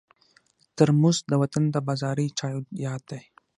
ترموز د وطن د بازاري چایو یاد دی.